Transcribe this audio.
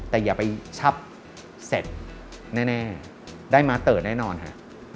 แต่อย่าไปชับเสร็จแน่ได้มาเตอร์แน่นอนฮะ